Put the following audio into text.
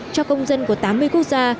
cho công dân của tám mươi quốc gia